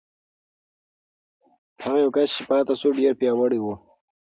هغه یو کس چې پاتې شو، ډېر پیاوړی و.